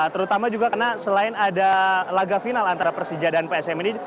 terutama juga karena selain ada laga final antara persija dan psm ini